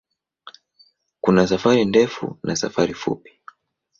Kuna safari ndefu na safari fupi.